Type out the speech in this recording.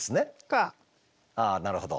あなるほど。